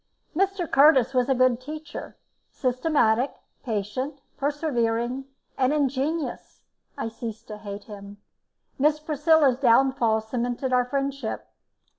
Mr. Curtis was a good teacher, systematic, patient, persevering, and ingenious. I ceased to hate him; Miss Priscilla's downfall cemented our friendship.